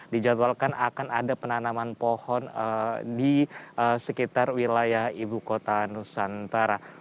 dijadwalkan akan ada penanaman pohon di sekitar wilayah ibu kota nusantara